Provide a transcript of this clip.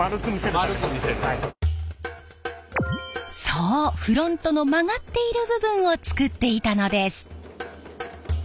そうフロントの曲がっている部分を作っていたのです！